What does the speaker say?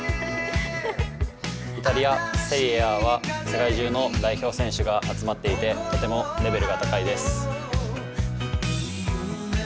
イタリア・セリエＡは世界中の代表選手が集まっていて、とてもレベルが高いです。